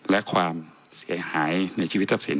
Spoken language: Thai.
และความเสียหายในชีวิตทรัพย์สิน